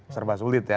serba sulit ya